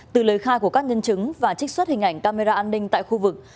từ lời khai của các nhân chứng và trích xuất hình ảnh camera an ninh tại khu vực